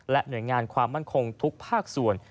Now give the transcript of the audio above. และเหนื่อยงานความมั่นคงทุกภากส่วน